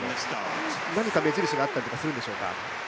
何か目印があったりするんでしょうか？